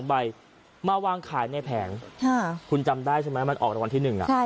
๒ใบมาวางขายในแผงคุณจำได้ใช่ไหมมันออกตะวันที่หนึ่งอ่ะ